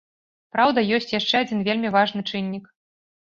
Праўда, ёсць яшчэ адзін вельмі важны чыннік.